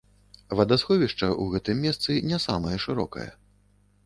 Вадасховішча ў гэтым месцы не самае шырокае.